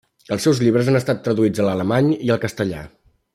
Els seus llibres han estat traduïts a l'alemany i al castellà.